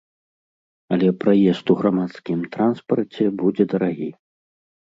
Але праезд у грамадскім транспарце будзе дарагі.